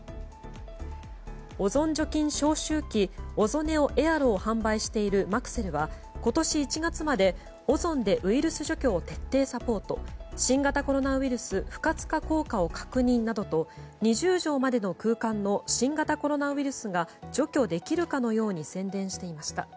オゾン除菌消臭器オゾネオエアロを販売しているマクセルは今年１月までオゾンでウイルス除去を徹底サポート新型コロナウイルス不活化効果を確認などと２０畳までの空間の新型コロナウイルスが除去できるかのように宣伝していました。